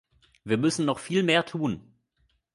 Wir müssen noch viel mehr tun.